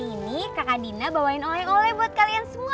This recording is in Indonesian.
ini kakak dina bawain oleh oleh buat kalian semua